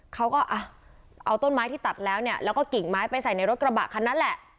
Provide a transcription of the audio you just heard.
เขาก็อ่ะเอาต้นไม้ที่ตัดแล้วเนี่ยแล้วก็กิ่งไม้ไปใส่ในรถกระบะคันนั้นแหละ